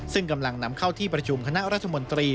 ซึ่งกำลังนำเข้าที่ประชุมคณะรัฐมนตรี